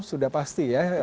sudah pasti ya